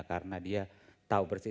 karena dia tahu persis